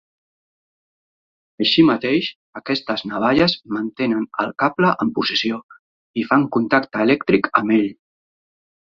Així mateix, aquestes navalles mantenen al cable en posició i fan contacte elèctric amb ell.